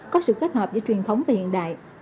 có sự kết hợp với truyền thống và hiện đại